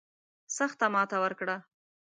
سخته ماته ورکړه.